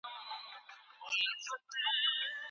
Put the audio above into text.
د لیکل سویو موخو د لاسته راوړلو چانس ډیر وي.